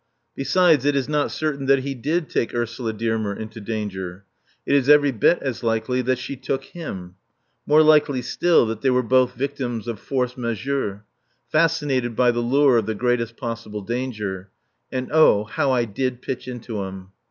Besides, it is not certain that he did take Ursula Dearmer into danger; it is every bit as likely that she took him; more likely still that they were both victims of force majeure, fascinated by the lure of the greatest possible danger. And, oh, how I did pitch into him!